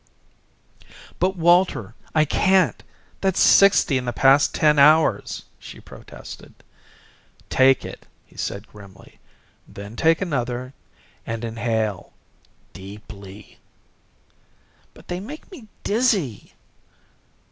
"But, Walter I can't. That's sixty in the past ten hours!" she protested. "Take it," he said grimly, "then take another. And inhale. Deeply." "But they make me dizzy."